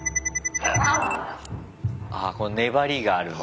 ああこの粘りがあるんだ。